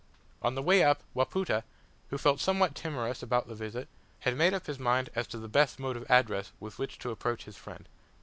On the way up, Wapoota, who felt somewhat timorous about the visit, had made up his mind as to the best mode of address with which to approach his friend.